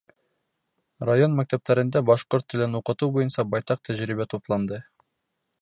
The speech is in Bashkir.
Район мәктәптәрендә башҡорт телен уҡытыу буйынса байтаҡ тәжрибә тупланды.